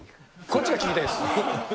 こっちが聞きたいです。